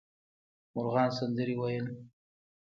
مرغان سندرې ویل.